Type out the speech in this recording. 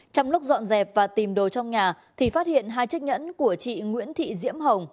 trong lúc dọn dẹp và tìm đồ trong nhà thì phát hiện hai chiếc nhẫn của chị nguyễn thị diễm hồng